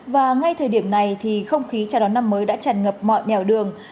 và ngay thời điểm này thì không khí trả đón năm mới đã tràn ngập mọi mèo đường